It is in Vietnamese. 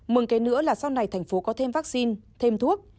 mừng kế nữa là sau này thành phố có thêm vaccine thêm thuốc